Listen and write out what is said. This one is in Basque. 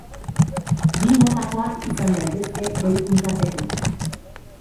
Bi motakoak izan daitezke doikuntza teknikak.